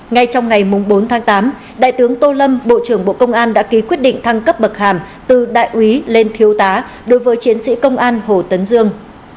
ngay trong ngày bốn tháng tám đại tướng tô lâm bộ trưởng bộ công an đã ký quyết định thăng cấp bậc hàm từ đại úy lên thiếu tá đối với chiến sĩ công an hồ tấn dương